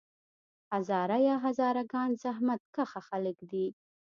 هزاره یا هزاره ګان زحمت کښه خلک دي.